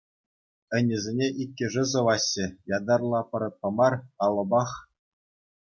Ӗнесене иккӗшӗ сӑваҫҫӗ, ятарлӑ аппаратпа мар, алӑпах.